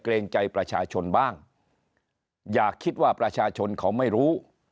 เกรงใจประชาชนบ้างอย่าคิดว่าประชาชนเขาไม่รู้